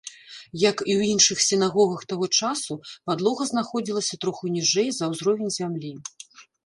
Як і ў іншых сінагогах таго часу, падлога знаходзілася троху ніжэй за ўзровень зямлі.